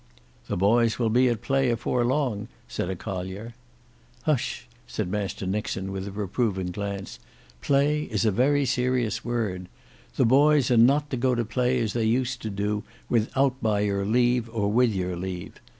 "The boys will be at play afore long," said a collier. "Hush!" said Master Nixon with a reproving glance, "play is a very serious word. The boys are not to go to play as they used to do without by your leave or with your leave.